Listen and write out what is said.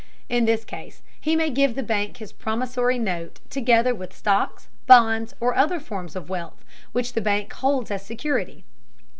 In this case he may give the bank his promissory note, together with stocks, bonds, or other forms of wealth, which the bank holds as security.